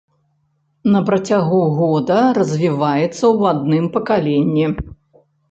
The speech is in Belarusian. На працягу года развіваецца ў адным пакаленні.